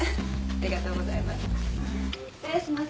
ありがとうございます。